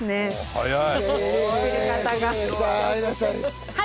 早い。